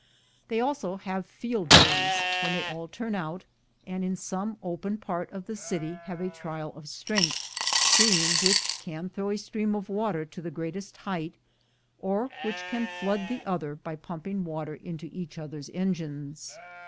They also have field days, when they all turn out, and in some open part of the city have a trial of strength, seeing which can throw a stream of water to the greatest height, or which can flood the other, by pumping water into each other's engines.